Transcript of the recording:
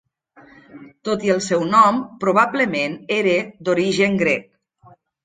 Tot i el seu nom probablement era d'origen grec.